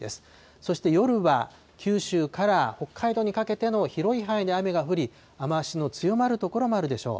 そして夜は、九州から北海道にかけての広い範囲で雨が降り、雨足の強まる所もあるでしょう。